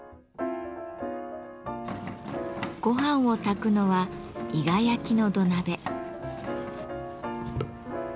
ごはんを炊くのは伊賀焼の土鍋。